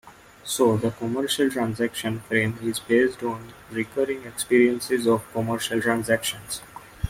So the commercial transaction frame is based on recurring experiences of commercial transactions.